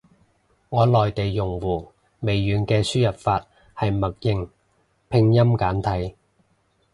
我內地用戶，微軟嘅輸入法係默認拼音簡體。